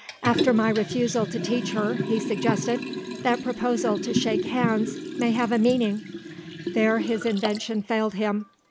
"After my refusal to teach her," he suggested, "that proposal to shake hands may have a meaning " There, his invention failed him.